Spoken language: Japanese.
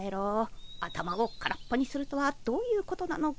頭を空っぽにするとはどういうことなのか。